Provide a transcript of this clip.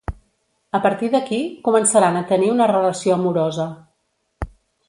A partir d'aquí, començaran a tenir una relació amorosa.